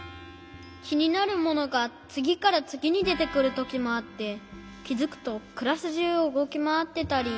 きになるものがつぎからつぎにでてくるときもあってきづくとクラスじゅうをうごきまわってたり。